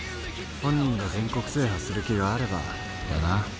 本人が全国制覇する気があればだな。